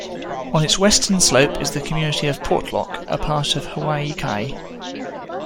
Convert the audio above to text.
On its western slope is the community of Portlock, a part of Hawaii Kai.